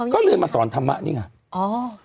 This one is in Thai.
ก็เลยมาสอนธรรมะนี่ไง